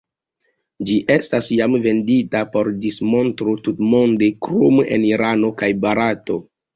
Ĝi estas jam vendita por dismontro tutmonde, krom en Irano kaj Barato.